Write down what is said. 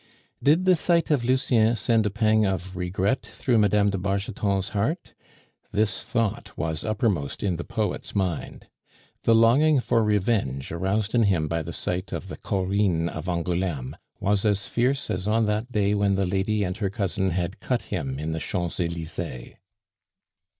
Did the sight of Lucien send a pang of regret through Mme. de Bargeton's heart? This thought was uppermost in the poet's mind. The longing for revenge aroused in him by the sight of the Corinne of Angouleme was as fierce as on that day when the lady and her cousin had cut him in the Champs Elysees.